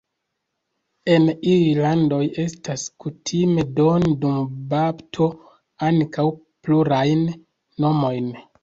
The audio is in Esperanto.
En iuj landoj estas kutime doni dum bapto ankaŭ plurajn nomojn.